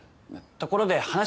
ところで話。